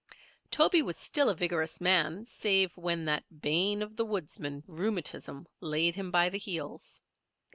Toby was still a vigorous man save when that bane of the woodsman, rheumatism, laid him by the heels.